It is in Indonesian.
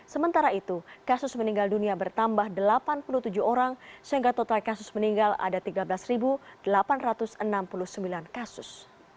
sementara itu kasus meninggal dunia bertambah delapan puluh tujuh orang sehingga total kasus meninggal ada tiga belas delapan ratus enam puluh sembilan kasus